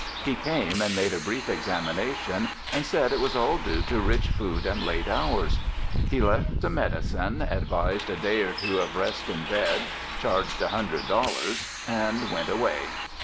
He came and made a brief examination and said that it was all due to rich food and late hours. He left some medicine, advised a day or two of rest in bed, charged a hundred dollars and went away.